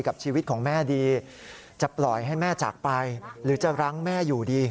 กับชีวิตของแม่ดีจะปล่อยให้แม่จากไปหรือจะรั้งแม่อยู่ดี